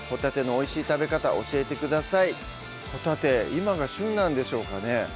今が旬なんでしょうかね